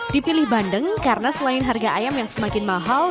dipilih bandeng karena selain harga ayam yang semakin mahal